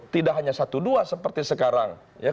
tidak hanya satu dua seperti sekarang